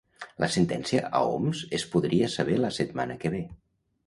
La sentència a Homs es podria saber la setmana que ve